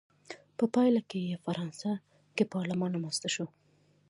په پایله کې یې په فرانسه کې پارلمان رامنځته شو.